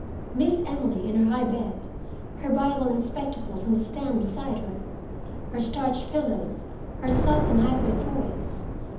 Miss Emily in her high bed, her Bible and spectacles on the stand beside her, her starched pillows, her soft and highbred voice?